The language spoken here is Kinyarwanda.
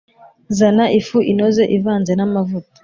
Zana ifu inoze ivanze n’amavuta